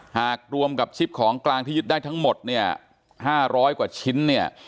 รวมกับชิปของกลางที่ยึดได้ทั้งหมดเนี่ย๕๐๐กว่าชิ้นเนี่ย